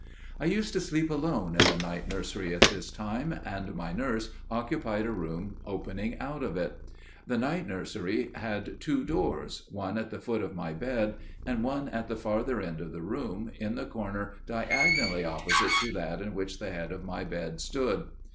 "I used to sleep alone in the night nursery at this time, and my nurse occupied a room opening out of it. The night nursery had two doors, one at the foot of my bed, and one at the further end of the room, in the corner diagonally opposite to that in which the head of my bed stood.